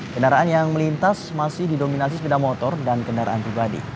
kendaraan yang melintas masih didominasi sepeda motor dan kendaraan pribadi